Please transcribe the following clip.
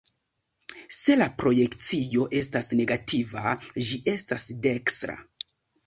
Se la projekcio estas negativa, ĝi estas dekstra.